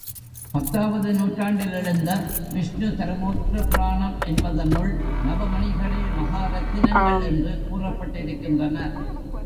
பத்தாவது நூற்றாண்டில் எழுந்த விஷ்ணு தருமோத்ர புராணம் என்பதனுள் நவமணிகளே மகாரத்தினங்கள் என்று கூறப்பட்டிருக்கின்றன.